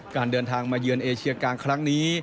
การเดินทางมาเยือนเอเชียกลางครั้งนี้